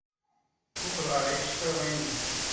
Mmuqqel ɣer yiceḍḍiḍen-nnem!